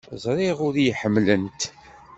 Ẓriɣ ur iyi-ḥemmlent.